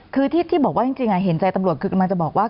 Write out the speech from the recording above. คือที่บอกว่าจริงเห็นใจตำรวจคือกำลังจะบอกว่า